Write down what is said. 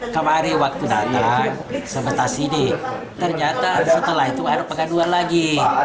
kemari waktu datang sebetas ini ternyata setelah itu ada perganduan lagi